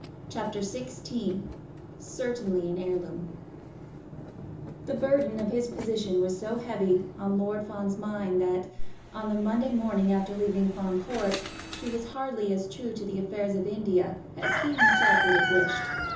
CHAPTER XVI Certainly an Heirloom The burden of his position was so heavy on Lord Fawn's mind that, on the Monday morning after leaving Fawn Court, he was hardly as true to the affairs of India as he himself would have wished.